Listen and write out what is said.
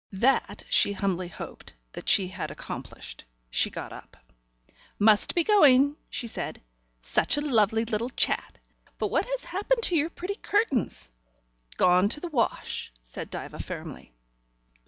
That she humbly hoped that she had accomplished. She got up. "Must be going," she said. "Such a lovely little chat! But what has happened to your pretty curtains?" "Gone to the wash,'" said Diva firmly.